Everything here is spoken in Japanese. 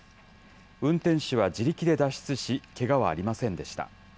運転手は自力で脱出し、けがはありませんでした。